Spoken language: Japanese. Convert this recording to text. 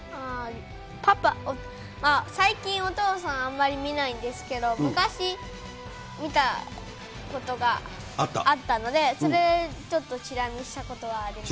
パパ、最近、お父さんあんまり見ないんですけど、昔、見たことがあったので、それでちょっとちら見したことはあります。